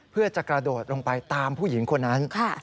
เพื่อจะกระโดดลงไปตามผู้หญิงคนนั้น